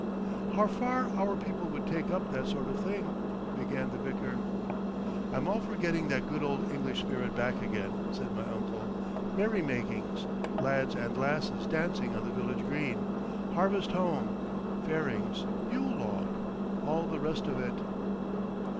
"How far our people would take up that sort of thing—" began the vicar. "I'm all for getting that good old English spirit back again," said my uncle. "Merrymakings. Lads and lasses dancing on the village green. Harvest home. Fairings. Yule Log—all the rest of it."